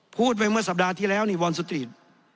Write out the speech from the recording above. พูดไปเมื่อสัปดาห์ที่แล้วนี่วอนสตรีท